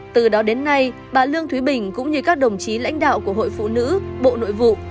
từ đó đến nay bà lương thúy bình cũng như các đồng chí lãnh đạo của hội phụ nữ bộ nội vụ